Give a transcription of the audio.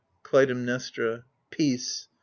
Clytemnestra Peace !